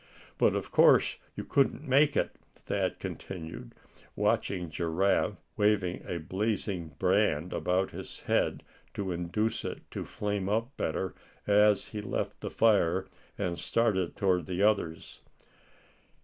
"But of course you couldn't make it?" Thad continued, watching Giraffe waving a blazing brand about his head to induce it to flame up better, as he left the fire, and started toward the others.